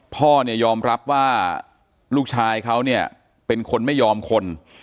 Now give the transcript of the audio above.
พ่อเนี่ยยอมรับว่าลูกชายเขาเนี่ยเป็นคนไม่ยอมคน